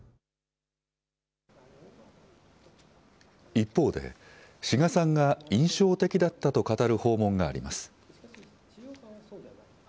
一方で志賀さんが印象的だったと語る訪問があります。